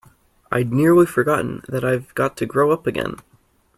I’d nearly forgotten that I’ve got to grow up again!